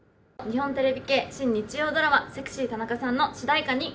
日本テレビ系新日曜ドラマ、セクシー田中さんの主題歌に。